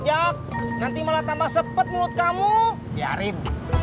ajak nanti malah tambah sepet mulut kamu biarin